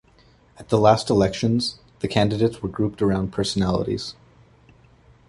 At the last elections the candidates were grouped around personalities.